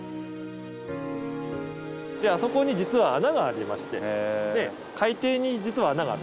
あそこに実は穴がありまして海底に実は穴がある。